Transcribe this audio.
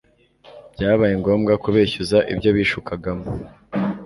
Byabaye ngombwa kubeshyuza ibyo bishukagamo.